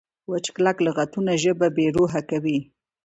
وچ کلک لغتونه ژبه بې روحه کوي.